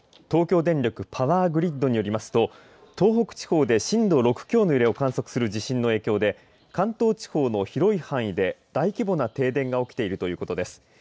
東京電力パワーグリッドによりますと東北地方で震度６強の揺れを観測する地震の影響で関東地方の広い範囲で大規模な停電が起きているということです。